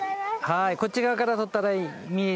こっち側から取ったら見えるよ。